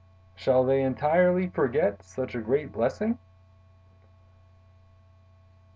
Shall they entirely forget such a great blessing?"